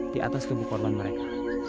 di atas kebukorban mereka